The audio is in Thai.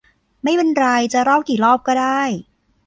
ไม่เป็นไร จะเล่ากี่รอบก็ได้